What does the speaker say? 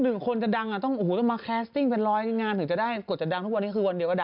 แล้วคุณจะเชื่อไหมเดี๋ยวพรุ่งนี้มันก็ต้องมีเรื่องอะไรอีก